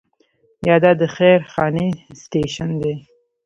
یا دا د خير خانې سټیشن دی.